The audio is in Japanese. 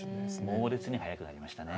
猛烈に速くなりましたね。